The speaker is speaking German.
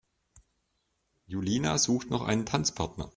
Julina sucht noch einen Tanzpartner.